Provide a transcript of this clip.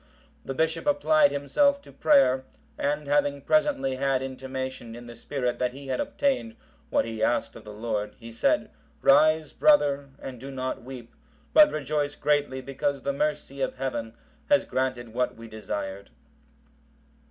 The bishop applied himself to prayer, and having presently had intimation in the spirit that he had obtained what he asked of the Lord, he said, "Rise, brother, and do not weep, but rejoice greatly because the mercy of Heaven has granted what we desired."